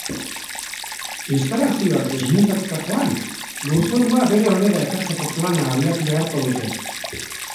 Instalazioak desmuntatutakoan, lurzorua bere onera ekartzeko plana abiatu beharko dute.